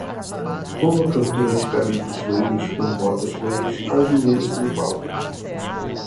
Uma cantora de cabelos loiros com botas longas ajoelha-se no palco.